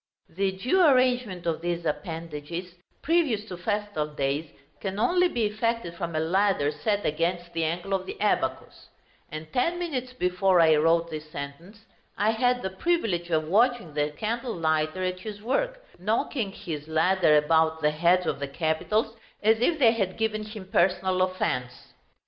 The due arrangement of these appendages, previous to festal days, can only be effected from a ladder set against the angle of the abacus; and ten minutes before I wrote this sentence, I had the privilege of watching the candlelighter at his work, knocking his ladder about the heads of the capitals as if they had given him personal offence.